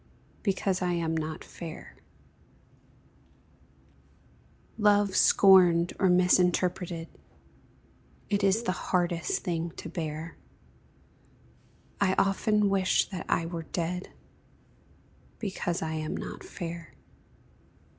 Because I am not fair; Love scorned or misinterpreted It is the hardest thing to bear; I often wish that I were dead, Because I am not fair.